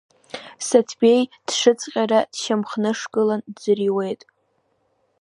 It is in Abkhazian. Саҭбеи дшыҵҟьара дшьамхнышгыланы дӡырҩуеит.